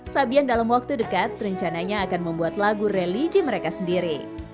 sabian dalam waktu dekat rencananya akan membuat lagu religi mereka sendiri